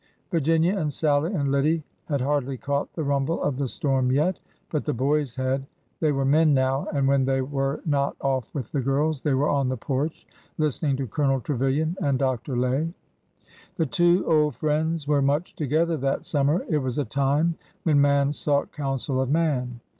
Virginia and Sallie and Lide had hardly caught the rumble of the storm yet, but the boys had. They were men now, and when they were not off with the girls they were on the porch listening to Colo nel Trevilian and Dr. Lay. The two old friends were much together that summer. It was a time when man sought counsel of man.